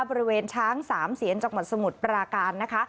บริเวณช้าง๓เสนจกหมดสมุดประการนะคะ